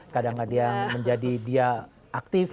kadang kadang dia menjadi dia aktif